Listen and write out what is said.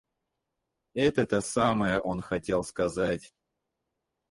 Это-то самое он хотел сказать.